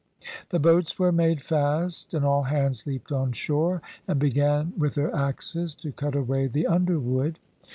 The boats were made fast, and all hands leaped on shore and began with their axes to cut away the underwood.